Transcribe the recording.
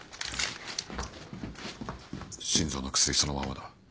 心臓の薬そのままだ